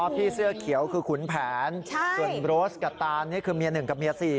พี่เสื้อเขียวคือขุนแผนส่วนโรสกับตานนี่คือเมีย๑กับเมีย๔